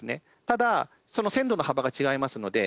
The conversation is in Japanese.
ただ線路の幅が違いますので。